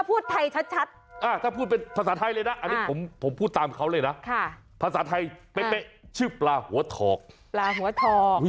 ผมจะพูดตามเขาภาษาไทยเป๊ะชื่อปลาหัวเทาะ